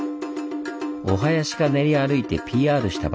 お囃子が練り歩いてＰＲした場所